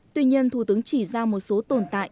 tuy nhiên thủ tướng chỉ ra một số tồn tại